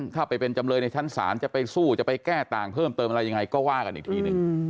ถ้าไปเป็นจำเลยในชั้นศาลจะไปสู้จะไปแก้ต่างเพิ่มเติมอะไรยังไงก็ว่ากันอีกทีหนึ่ง